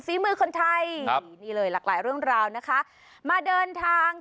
ฝีมือคนไทยนี่เลยหลากหลายเรื่องราวนะคะมาเดินทาง